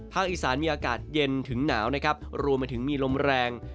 อีสานมีอากาศเย็นถึงหนาวนะครับรวมไปถึงมีลมแรง